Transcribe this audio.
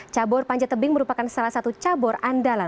cabur panjat tebing merupakan salah satu cabur andalan